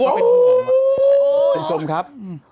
โอ้โหคุณชมครับ